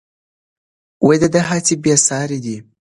د ده هڅې بې ساري دي.